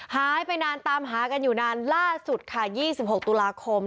หายไปนานตามหากันอยู่นานล่าสุดค่ะ๒๖ตุลาคม